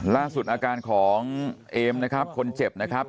ล่าสุดอาการของเอมนะครับคนเจ็บนะครับ